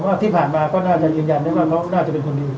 ผมว่าที่ผ่านมาก็น่าจะยืนยันนะครับเขาน่าจะเป็นคนดีครับ